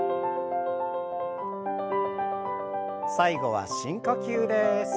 最後は深呼吸です。